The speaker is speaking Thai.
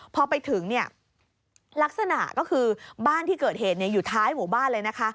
พอไปถึงเนี่ยลักษณะก็คือบ้านที่เกิดเหตุอยู่ท้ายหมู่บ้านเลยนะคะ